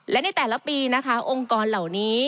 และในแต่ละปีนะคะองค์กรเหล่านี้